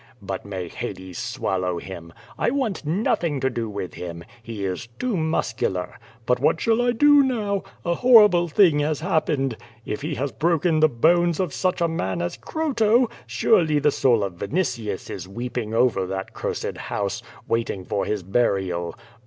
But may Hades swallow him! I want nothing to do with him. He is too muscular. But what shall I do now? A horrible thing has ha])pened. H he has broken the bones of such a man as Croto, surely the soul of Vinitius is weeping over that cursed house, waiting for his burial.